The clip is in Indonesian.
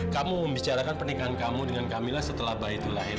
kamu mau bicarakan pernikahan kamu dengan kamila setelah bayi itu lahir